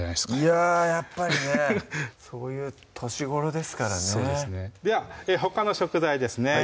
いややっぱりねそういう年頃ですからねではほかの食材ですね